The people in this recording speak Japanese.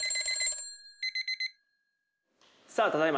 さあただいま